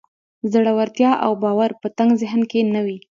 زړورتيا او باور په تنګ ذهن کې نه وي.